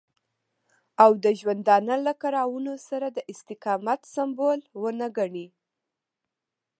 او د ژوندانه له کړاوونو سره د استقامت سمبول ونه ګڼي.